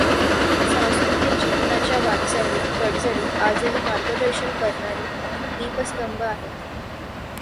सांस्कृतिक जीवनाच्या वाटचालीत, पडझडीत आजही मार्गदर्शन करणारे दीपस्तंभ आहेत.